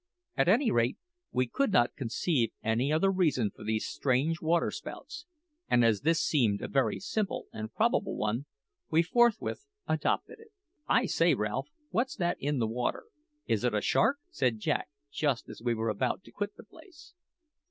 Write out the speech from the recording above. At any rate, we could not conceive any other reason for these strange waterspouts, and as this seemed a very simple and probable one, we forthwith adopted it. "I say, Ralph, what's that in the water? Is it a shark?" said Jack just as we were about to quit the place.